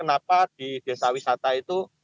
kenapa di desa wisata itu